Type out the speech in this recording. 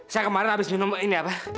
saya kemarin harus minum ini apa